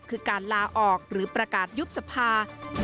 คือการลาออกหรือประกาศยุบสภา